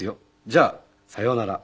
「じゃあさようなら。